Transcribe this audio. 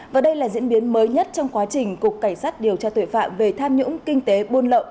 và đây là diễn biến mới nhất trong quá trình cục cảnh sát điều tra tội phạm về tham nhũng kinh tế buôn lậu